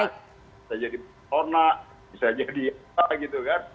bisa jadi peternak bisa jadi apa gitu kan